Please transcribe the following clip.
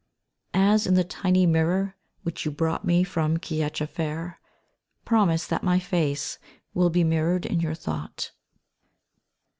As in the tiny mirror Which you brought me from Kiachta Fair, Promise that my face Will be mirrored in your thought.